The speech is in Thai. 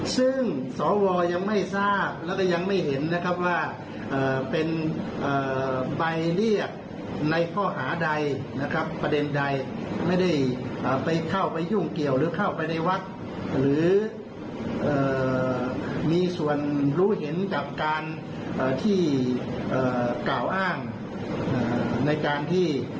ซึ่งสวยังไม่ทราบและยังไม่เห็นว่าเป็นหมายเรียกในข้อหาใดประเด็นใด